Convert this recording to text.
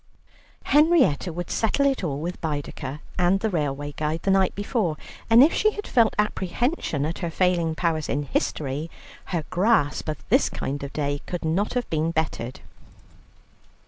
Henrietta would settle it all with Baedeker and the railway guide the night before, and if she had felt apprehension at her failing powers in history, her grasp of this kind of day could not have been bettered.